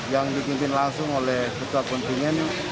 yang dipimpin langsung oleh ketua kontingen